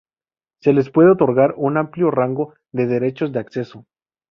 Se les puede otorgar un amplio rango de derechos de acceso.